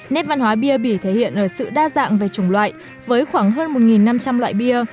nét văn hóa bia bỉ thể hiện ở sự đa dạng về chủng loại với khoảng hơn một năm trăm linh loại bia